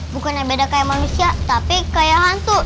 bukan yang beda kayak manusia tapi kayak hantu